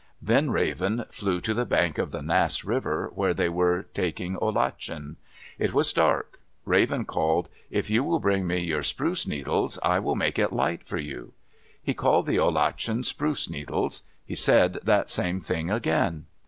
Then Raven flew to the bank of the Nass River, where they were taking olachen. And it was dark. Raven called, "If you will bring me your spruce needles, I will make it light for you." He called the olachen spruce needles. He said that same thing again.